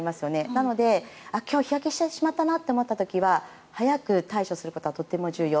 なので、今日日焼けしてしまったなと思った時には早く対処することがとても重要。